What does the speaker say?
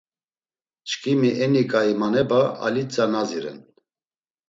Çkimi enni ǩai maneba Alitza Nazi ren.